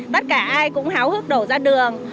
tất cả ai cũng háo hức đổ ra đường